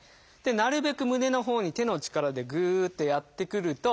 なるべく胸のほうに手の力でぐってやってくると。